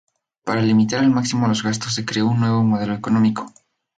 Para limitar al máximo los gastos se creó un nuevo modelo económico.